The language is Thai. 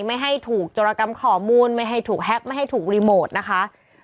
ไม่ให้ถูกจรกรรมขอมูลไม่ให้ถูกแฮปไม่ให้ถูกรีโมทนะคะ